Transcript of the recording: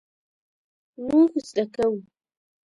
مونږ زده کوو